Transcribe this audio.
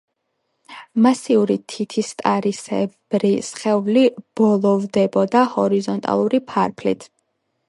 მასიური თითისტარისებრი სხეული ბოლოვდებოდა ჰორიზონტალური ფარფლით.